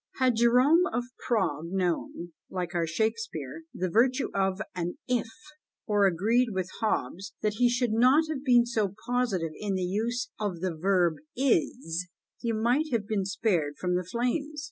Had Jerome of Prague known, like our Shakspeare, the virtue of an IF, or agreed with Hobbes, that he should not have been so positive in the use of the verb IS, he might have been spared from the flames.